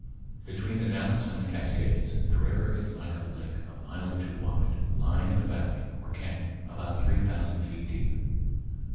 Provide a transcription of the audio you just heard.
Between the Dalles and the Cascades the river is like a lake a mile or two wide, lying in a valley, or cañon, about three thousand feet deep.